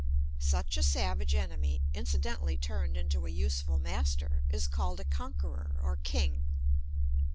Such a savage enemy, incidentally turned into a useful master, is called a conqueror or king.